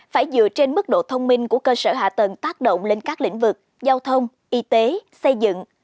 phải dựa trên mức độ thông minh của cơ sở hạ tầng tác động lên các lĩnh vực giao thông y tế xây dựng